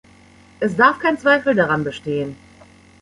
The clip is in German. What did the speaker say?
Es darf kein Zweifel daran bestehen.